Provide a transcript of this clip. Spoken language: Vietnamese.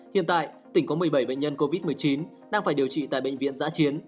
hiện tại tỉnh có một mươi bảy bệnh nhân covid một mươi chín đang phải điều trị tại bệnh viện giã chiến